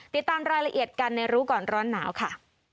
ติดตามรายละเอียดกันในรู้ก่อนร้อนหนาวค่ะ